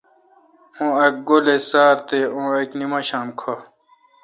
اُن ا ک گولے°سار تےاک نمشام کھہ